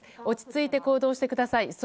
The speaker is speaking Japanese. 落ち着いて行動してください。